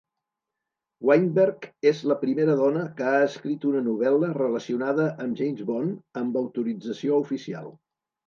Weinberg és la primera dona que ha escrit una novel·la relacionada amb James Bond amb autorització oficial.